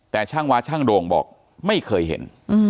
แต่ช่างวาช่างโด่งบอกไม่เคยเห็น